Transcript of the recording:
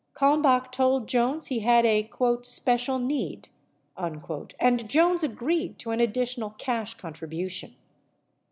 Kalmbach told Jones he had a "special need," and Jones agreed to an additional cash contribution.